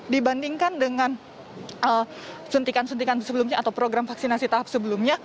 dibandingkan dengan suntikan suntikan sebelumnya atau program vaksinasi tahap sebelumnya